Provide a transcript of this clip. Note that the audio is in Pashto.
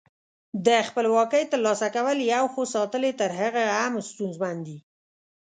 د خپلواکۍ تر لاسه کول یو، خو ساتل یې تر هغه هم ستونزمن دي.